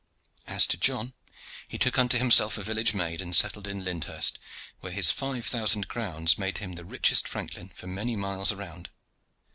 As to John, he took unto himself a village maid, and settled in Lyndhurst, where his five thousand crowns made him the richest franklin for many miles around.